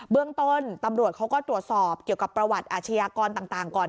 เรื่องต้นตำรวจเขาก็ตรวจสอบเกี่ยวกับประวัติอาชญากรต่างก่อน